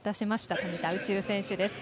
富田宇宙選手です。